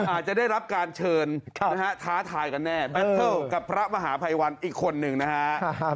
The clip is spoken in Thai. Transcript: อาจจะได้รับการเชิญนะฮะท้าทายกันแน่แบตเทิลกับพระมหาภัยวันอีกคนหนึ่งนะฮะ